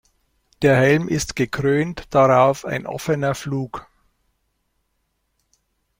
Der Helm ist gekrönt, darauf ein offener Flug.